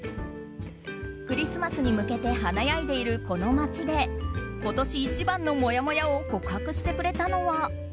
クリスマスに向けて華やいでいるこの街で今年一番のもやもやを告白してくれたのは。